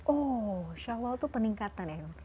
oh syawal itu peningkatan ya